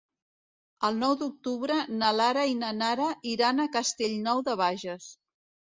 El nou d'octubre na Lara i na Nara iran a Castellnou de Bages.